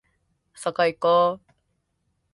そこいこ